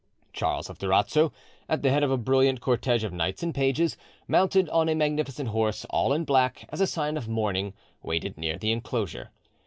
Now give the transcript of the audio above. Charles of Durazzo, at the head of a brilliant cortege of knights and pages, mounted on a magnificent horse, all in black, as a sign of mourning, waited near the enclosure.